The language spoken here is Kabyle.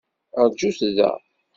Rǧut da!